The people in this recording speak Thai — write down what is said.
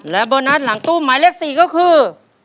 และโบนัสหลังตู้หมายเลข๔ก็คือ